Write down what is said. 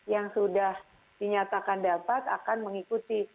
yang sudah dinyatakan dapat akan mengikuti